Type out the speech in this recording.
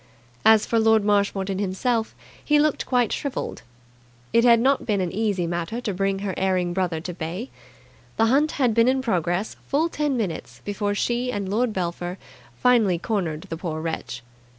As for Lord Marshmoreton himself, he looked quite shrivelled. It had not been an easy matter to bring her erring brother to bay. The hunt had been in progress full ten minutes before she and Lord Belpher finally cornered the poor wretch.